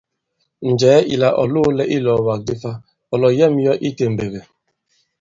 Njɛ̀ɛ ìlà ɔ̀ loōlɛ i ilɔ̀ɔ̀wàk di fa, ɔ̀ làyɛ᷇m yɔ i itèmbèk ì?